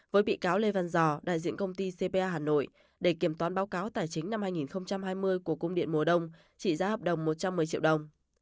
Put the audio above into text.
với bị cáo lê văn giò đại diện công ty cpa hà nội để kiểm toán báo cáo tài chính năm hai nghìn hai mươi của cung điện mùa đông trị giá hợp đồng một trăm một mươi triệu đồng